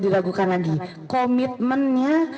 diragukan lagi komitmennya